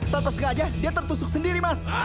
tanpa sengaja dia tertusuk sendiri mas